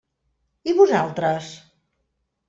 I vosaltres?